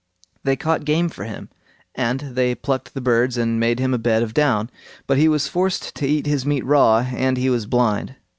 They caught game for him, and they plucked the birds and made him a bed of down; but he was forced to eat his meat raw, and he was blind.